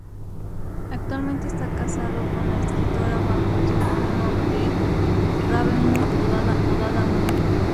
Actualmente está casado con la escritora bajo el seudónimo de Raven Moon, apodada Moon.